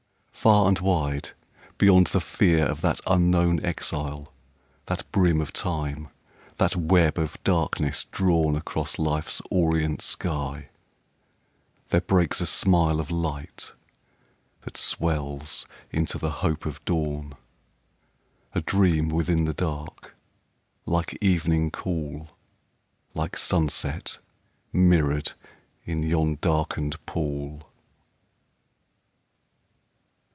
Far and wide, Beyond the fear of that unknown exile, That brim of Time, that web of darkness drawn Across Life's orient sky, there breaks a smile Of light that swells into the hope of dawn : A dream within the dark, like evening cool, Like sunset mirror'd in yon darken'd pool.